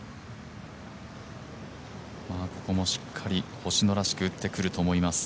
ここもしっかり星野らしく打ってくると思います。